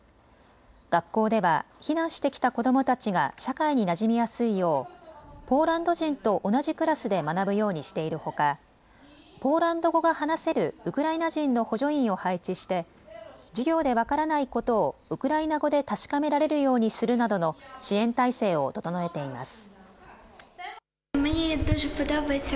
学校では避難してきた子どもたちが社会になじみやすいようポーランド人と同じクラスで学ぶようにしているほかポーランド語が話せるウクライナ人の補助員を配置して授業で分からないことをウクライナ語で確かめられるようにするなどの支援体制を整えています。